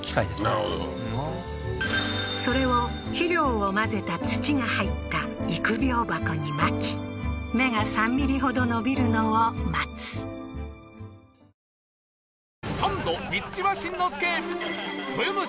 なるほどそれを肥料を混ぜた土が入った育苗箱に撒き芽が３ｍｍほど伸びるのを待つ・はいいらっしゃいませ！